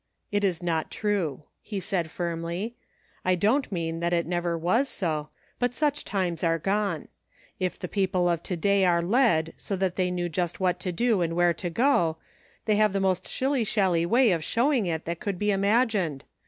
" It is not true," he said firmly. " I don't mean that it never was so, but such times are gone. If the people of to day are led, so that they know just what to do and where to go, they have the most shilly shally way of showing it that could be imagined.